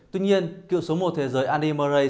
tuy nhiên kiệu số một thế giới andy murray